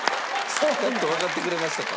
やっとわかってくれましたか？